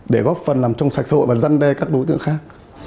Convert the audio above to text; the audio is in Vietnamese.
để góp phần làm trong sạch xã hội và răn đe các đối tượng khác